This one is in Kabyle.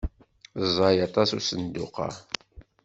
Ẓẓay aṭas usenduq-a.